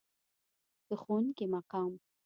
د ښوونکي مقام.